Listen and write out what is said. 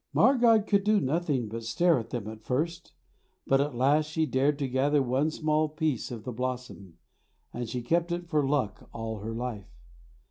Margad could do nothing but stare at them at first, but at last she dared to gather one small piece of the blossom, and she kept it for luck all her life.